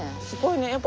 すごいね。